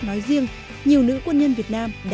nói riêng nhiều nữ quân nhân việt nam